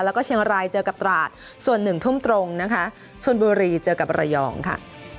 แล้วก็เชียงรายเจอกับตราดส่วนหนึ่งทุ่มตรงนะคะชนบุรีเจอกับระยองค่ะ